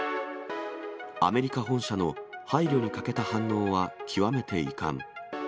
アメリカ本社の配慮に欠けた反応は極めて遺憾。